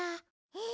え！